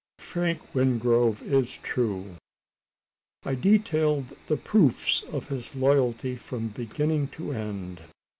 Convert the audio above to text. Frank Wingrove is true!" I detailed the proofs of his loyalty from beginning to end.